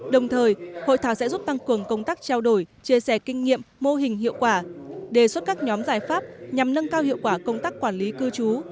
đồng thời hội thảo sẽ giúp tăng cường công tác trao đổi chia sẻ kinh nghiệm mô hình hiệu quả đề xuất các nhóm giải pháp nhằm nâng cao hiệu quả công tác quản lý cư trú